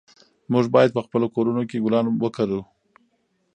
موږ باید په خپلو کورونو کې ګلان وکرلو.